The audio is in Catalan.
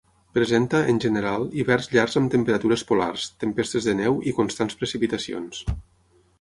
Presenta, en general, hiverns llargs amb temperatures polars, tempestes de neu i constants precipitacions.